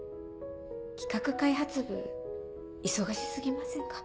企画開発部忙し過ぎませんか？